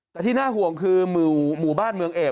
แต่ที่น่าห่วงคือหมู่บ้านเมืองเอก